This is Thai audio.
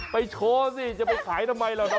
โชว์สิจะไปขายทำไมล่ะนะ